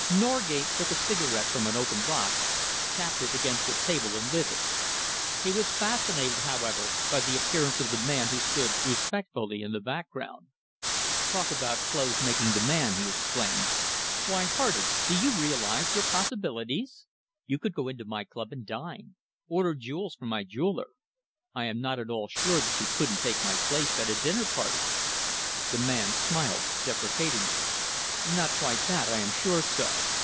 Norgate took a cigarette from an open box, tapped it against the table and lit it. He was fascinated, however, by the appearance of the man who stood respectfully in the background. "Talk about clothes making the man!" he exclaimed. "Why, Hardy, do you realise your possibilities? You could go into my club and dine, order jewels from my jeweller. I am not at all sure that you couldn't take my place at a dinner party." The man smiled deprecatingly. "Not quite that, I am sure, sir.